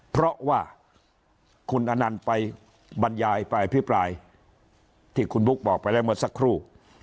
เพราะว่าคุณอนันต์ไปบรรยายไปอภิปรายที่คุณบุ๊คบอกไปแล้วเมื่อสักครู่